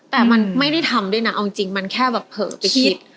แต่มันไม่ได้ทำด้วยนะเอาจริงมันแค่แบบเผลอไปคิด